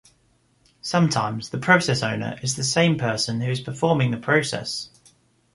Sometimes the process owner is the same person who is performing the process.